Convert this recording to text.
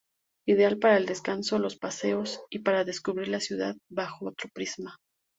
Ideal para el descanso, los paseos, y para descubrir la ciudad bajo otro prisma.